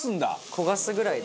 焦がすぐらいで。